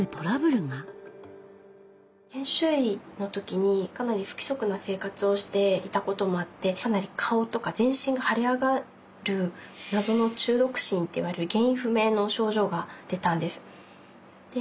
研修医の時にかなり不規則な生活をしていたこともあって顔とか全身が腫れ上がる謎の中毒疹って言われる原因不明の症状が出たんです。